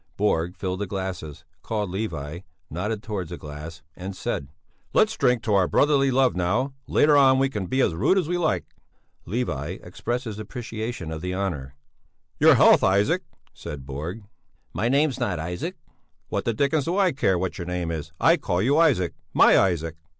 Borg filled the glasses, called Levi, nodded towards a glass, and said: "Let's drink to our brotherly love now; later on we can be as rude as we like." Levi expressed his appreciation of the honour. "Your health, Isaac!" said Borg. "My name's not Isaac!" "What the dickens do I care what your name is? I call you Isaac, my Isaac."